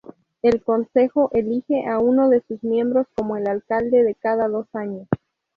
El consejo elige a uno de sus miembros como el alcalde cada dos años.